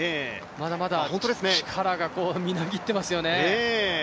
まだまだ力がみなぎってますね。